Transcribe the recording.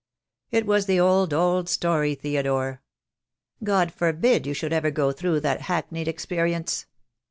"It was the old, old story, Theodore. God forbid you should ever go through that hackneyed experience.